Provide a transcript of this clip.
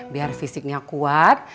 biar fisiknya kuat